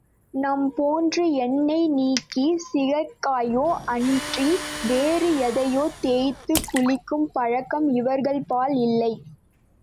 நம் போன்று எண்ணெய் நீக்கச் சிகைக்காயையோ அன்றி வேறு எதையோ தேய்த்துக் குளிக்கும் பழக்கம் இவர்கள்பால் இல்லை.